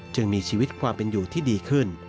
จึงมีชีวิตความเป็นอยู่ที่ดีขึ้น